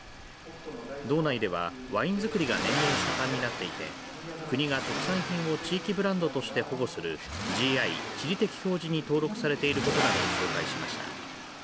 道内ではワイン造りが年々盛んになっていて国が特産品を地域ブランドとして保護するＧＩ、地理的表示に登録されていることなどを紹介しました。